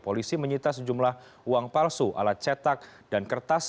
polisi menyita sejumlah uang palsu alat cetak dan kertas